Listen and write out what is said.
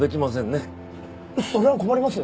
それは困ります！